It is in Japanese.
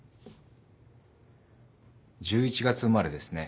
１１月生まれですね。